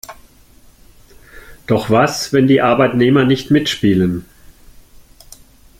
Doch was, wenn die Arbeitnehmer nicht mitspielen?